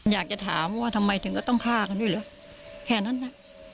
อยากจะถามว่าทำไมถึงก็ต้องฆ่ากันด้วยเหรอแค่นั้นน่ะ